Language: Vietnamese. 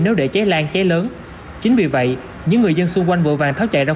nếu để cháy lan cháy lớn chính vì vậy những người dân xung quanh vội vàng tháo chạy ra